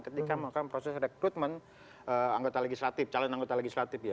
ketika mengalami proses rekrutmen calon anggota legislatif